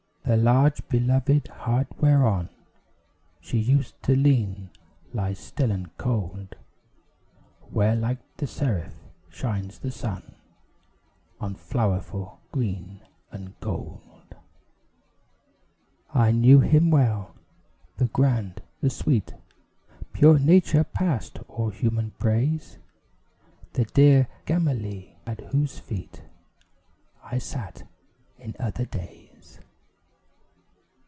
The large beloved heart whereon She used to lean, lies still and cold, Where, like a seraph, shines the sun On flowerful green and gold. I knew him well the grand, the sweet, Pure nature past all human praise; The dear Gamaliel at whose feet I sat in other days.